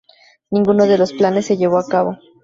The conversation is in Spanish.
Ninguno de los planes de llevó a cabo.